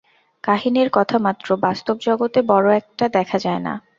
কাহিনীর কথা মাত্র, বাস্তব জগতে বড় একটা দেখা যায় না।